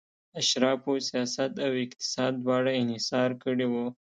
اشرافو سیاست او اقتصاد دواړه انحصار کړي وو.